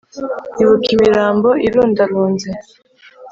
ibuka imirambo irundarunze